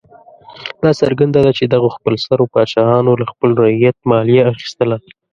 دا څرګنده ده چې دغو خپلسرو پاچاهانو له خپل رعیت مالیه اخیستله.